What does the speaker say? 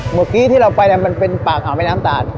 เมื่อกี้ที่เราไปมันเป็นปากอ่าวแม่น้ำตาล